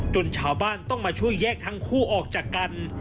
ชาวบ้านต้องมาช่วยแยกทั้งคู่ออกจากกัน